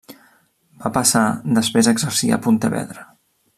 Va passar després a exercir a Pontevedra.